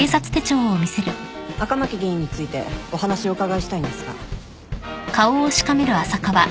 赤巻議員についてお話お伺いしたいんですが。